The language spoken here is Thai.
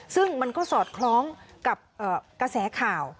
ซึ่งมันก็สอดคล้องกับกระแสข่าว